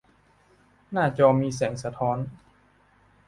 หน้าจอมีแสงสะท้อน